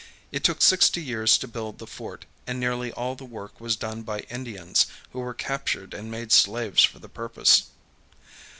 It took sixty years to build the fort, and nearly all the work was done by Indians who were captured and made slaves for the purpose.